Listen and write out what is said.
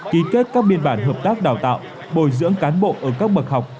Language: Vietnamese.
ký kết các biên bản hợp tác đào tạo bồi dưỡng cán bộ ở các bậc học